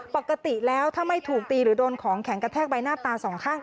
ปกติแล้วถ้าไม่ถูกตีหรือโดนของแข็งกระแทกใบหน้าตาสองข้าง